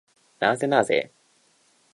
なんぜ？